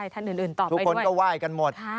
ทุกคนก็ไหว้กันหมด